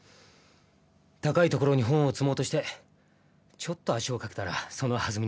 高いところに本を積もうとしてちょっと足を掛けたらそのはずみにね。